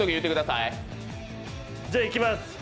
じゃ、いきます。